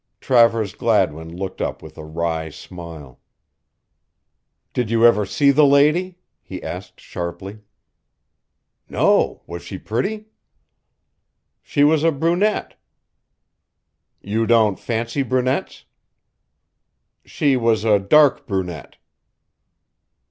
Travers Gladwin looked up with a wry smile. "Did you ever see the lady?" he asked sharply. "No. Wasn't she pretty?" "She was a brunette." "You don't fancy brunettes?" "She was a dark brunette."